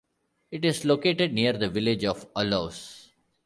It is located near the village of Allouis.